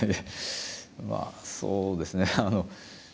まあそうですね。